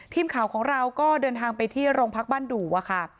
ทีมข่าวของเราก็เดินทางไปที่โรงพักบ้านดู่ค่ะ